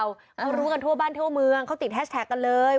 เขารู้กันทั่วบ้านทั่วเมืองเขาติดแฮชแท็กกันเลย